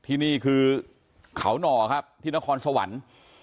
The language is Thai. ที่นี่คือเขาหน่อครับที่นครสวรรค์